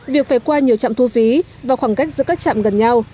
việc phải qua nhiều trạm thu phí và khoảng cách giữa các trạm gần nhau